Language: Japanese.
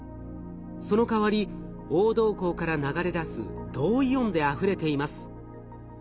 そのかわり黄銅鉱から流れ出す銅イオンであふれています。